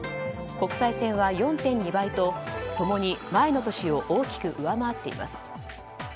国際線は４．２倍と、共に前の年を大きく上回っています。